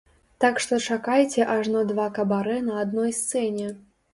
Так што чакайце ажно два кабарэ на адной сцэне!